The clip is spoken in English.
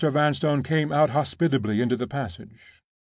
Vanstone came out hospitably into the passage.